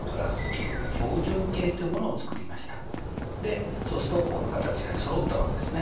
でそうするとこの形がそろったわけですね。